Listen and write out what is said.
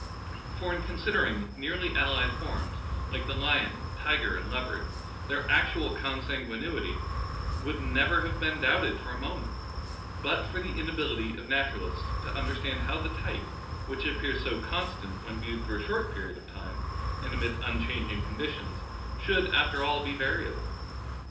For in considering nearly allied forms, like the lion, tiger, and leopard, their actual con sanguinity would never have been doubted for a moment but for the inability of naturalists to un derstand how the type which appears so constant, when viewed through a short period of time and amid unchanging conditions, should after all be variable.